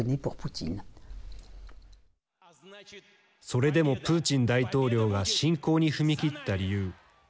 それでもプーチン大統領が侵攻に踏み切った理由。